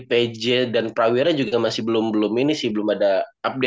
pj dan perawiran juga masih belum belum ini sih belum ada update updatenya tapi kalau kita lihat